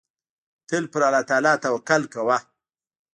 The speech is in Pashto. تل پر الله تعالی توکل کوه.